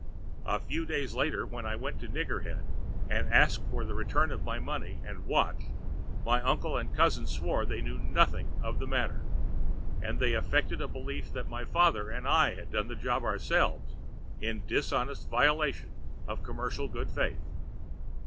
A few days later, when I went to Nigger Head and asked for the return of my money and watch my uncle and cousins swore they knew nothing of the matter, and they affected a belief that my father and I had done the job ourselves in dishonest violation of commercial good faith.